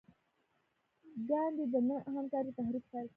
ګاندي د نه همکارۍ تحریک پیل کړ.